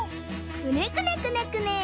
くねくねくねくね。